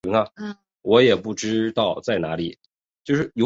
我也不知道在哪里